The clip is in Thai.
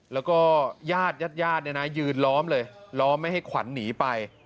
แล้วก็ญาติญาติเนี่ยนะยืนล้อมเลยล้อมไม่ให้ขวัญหนีไป